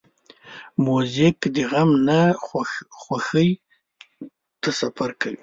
موزیک د غم نه خوښۍ ته سفر کوي.